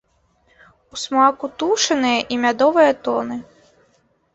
У смаку тушаныя і мядовыя тоны.